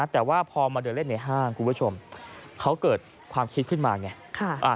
แต่ว่าพอมาเดินเล่นในห้างคุณผู้ชมเขาเกิดความคิดขึ้นมาไง